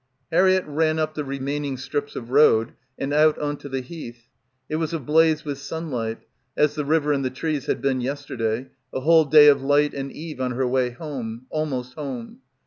Harriett ran up the remaining strips of road and out on to the Heath. It was ablaze with sunlight — as the river and the trees had been yesterday — a whole day of light and Eve on her way home, almost home.